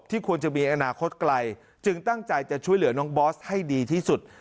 ควรจะมีอนาคตไกลจึงตั้งใจจะช่วยเหลือน้องบอสให้ดีที่สุด